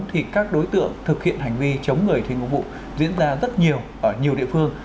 thì các đối tượng thực hiện hành vi chống người thi công vụ diễn ra rất nhiều ở nhiều địa phương